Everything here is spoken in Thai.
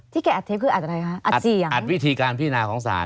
ที่แกอัดเทปคืออัดอะไรฮะอัดสี่อย่างนั้นอัดวิธีการพินาของสาร